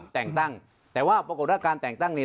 แต่งตั้งแต่ปรากฏว่าการแต่งตั้งนี่